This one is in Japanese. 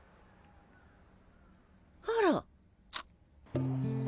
あら。